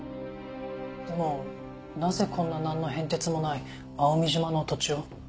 でもなぜこんななんの変哲もない蒼海島の土地を？